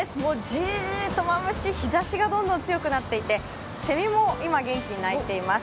じーっとまぶしい日ざしがどんどん強くなっていてせみも今元気に鳴いています。